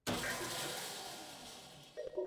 Yesu ni furah ya myoyo yetu